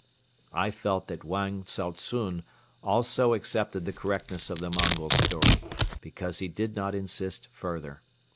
I felt that Wang Tsao tsun also accepted the correctness of the Mongol's story, because he did not insist further.